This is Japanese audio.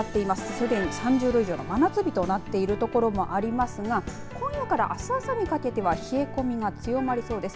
すでに３０度の真夏日となっている所もありますが今夜からあす朝にかけては冷え込みが強まりそうです。